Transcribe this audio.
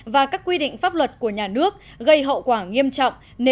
và các quy định pháp luật của nhà nước gây hậu quả nghiêm trọng